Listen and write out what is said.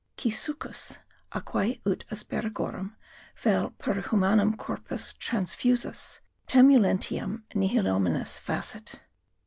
Qui succus (aeque ut asparagorum), vel per humanum corpus transfusus, temulentiam nihilominus facit.